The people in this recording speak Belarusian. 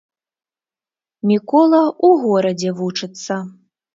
Мікола ў горадзе вучыцца.